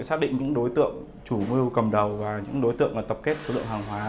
xác định những đối tượng chủ mưu cầm đầu và những đối tượng tập kết số lượng hàng hóa